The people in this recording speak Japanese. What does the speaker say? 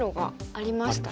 ありましたね。